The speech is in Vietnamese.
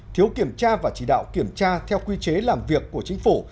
thiếu kiểm tra và chỉ đạo kiểm tra theo quy chế làm việc của chính phủ